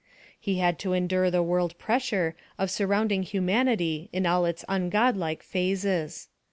He had to endure the world pressure of surrounding humanity in all its ungodlike phases.